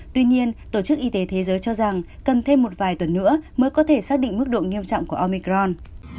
tuy nhiên tổ chức y tế thế giới cho rằng cần thêm một vài tuần nữa mới có thể xác định mức độ nghiêm trọng của omicron